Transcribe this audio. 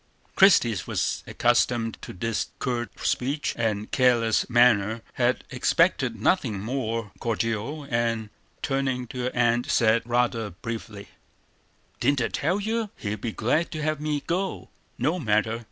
Christie was accustomed to his curt speech and careless manner; had expected nothing more cordial; and, turning to her aunt, said, rather bitterly: "Didn't I tell you he'd be glad to have me go? No matter!